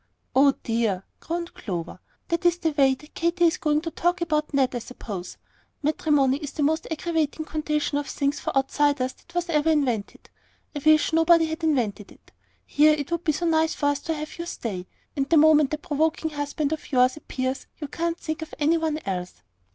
"Oh, dear," groaned Clover. "That is the way that Katy is going to talk about Ned, I suppose. Matrimony is the most aggravating condition of things for outsiders that was ever invented. I wish nobody had invented it. Here it would be so nice for us to have you stay, and the moment that provoking husband of yours appears, you can't think of any one else."